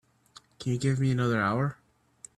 Can't you give me another hour?